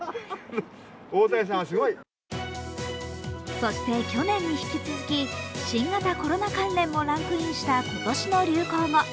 そして、去年に引き続き新型コロナ関連もランクインした今年の流行語。